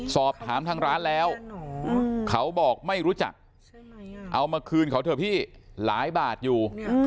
สอบถามทางร้านแล้วเขาบอกไม่รู้จักเอามาคืนเขาเถอะพี่หลายบาทอยู่